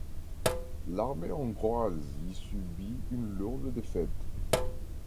L'armée hongroise y subit une lourde défaite.